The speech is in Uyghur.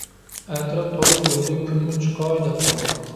ئەتراپ تولۇق يورۇدى، كۈنمۇ چىقاي دەپ قالدى.